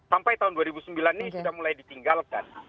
sampai tahun dua ribu sembilan ini sudah mulai ditinggalkan